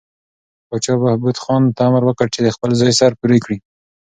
پاچا بهبود خان ته امر وکړ چې د خپل زوی سر پرې کړي.